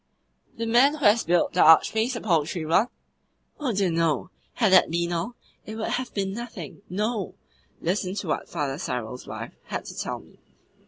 "The man who has built the Archpriest a poultry run?" "Oh dear no! Had that been all, it would have been nothing. No. Listen to what Father Cyril's wife had to tell me.